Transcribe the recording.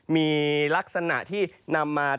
มีลักษณะที่นำมา